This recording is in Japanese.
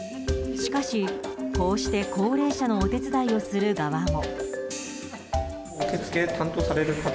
しかし、こうして高齢者のお手伝いをする側も。